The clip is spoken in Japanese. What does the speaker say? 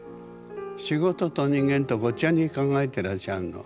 仕事と人間とごっちゃに考えてらっしゃるの。